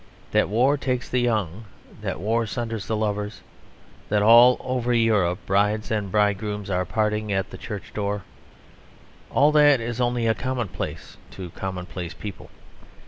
That war takes the young; that war sunders the lovers; that all over Europe brides and bridegrooms are parting at the church door: all that is only a commonplace to commonplace people.